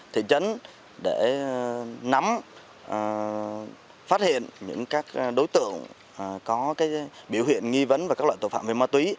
thị trấn để nắm phát hiện những các đối tượng có biểu hiện nghi vấn và các loại tội phạm về ma túy